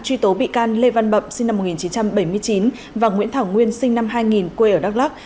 truy tố bị can lê văn bậm sinh năm một nghìn chín trăm bảy mươi chín và nguyễn thảo nguyên sinh năm hai nghìn quê ở đắk lắc